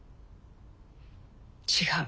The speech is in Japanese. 違う。